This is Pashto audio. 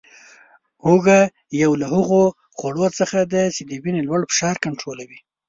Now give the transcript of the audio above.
هوګه یو له هغو خوړو څخه دی چې د وینې لوړ فشار کنټرولوي